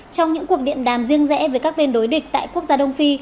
trong những cuộc điện đàm riêng rẽ với các bên đối địch tại quốc gia đông phi